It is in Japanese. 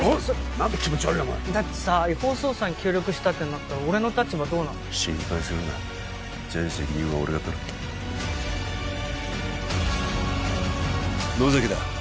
何だ気持ち悪いなお前だってさ違法捜査に協力したってなったら俺の立場どうなんの？心配するな全責任は俺が取る野崎だ